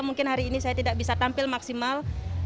mungkin hari ini saya tidak bisa tampil maksimal